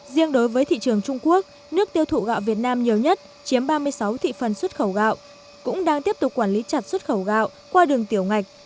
riêng đối với thị trường trung quốc nước tiêu thụ gạo việt nam nhiều nhất chiếm ba mươi sáu thị phần xuất khẩu gạo cũng đang tiếp tục quản lý chặt xuất khẩu gạo qua đường tiểu ngạch